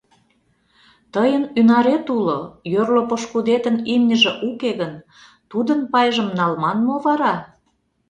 — Тыйын ӱнарет уло, йорло пошкудетын имньыже уке гын, тудын пайжым налман мо вара?